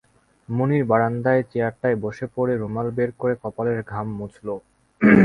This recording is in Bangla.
মুনির বারান্দায় চেয়ারটায় বসে পড়ে রুমাল বের করে কপালের ঘাম মুছল।